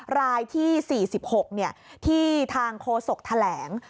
รายที่๔๖ที่ทางโฆษกแถลง